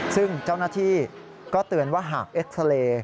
ซึ่งเจ้าหน้าที่ก็เตือนว่าหากเอ็กซาเล